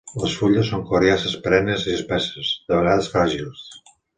Les fulles són coriàcies perennes i espesses, de vegades fràgils.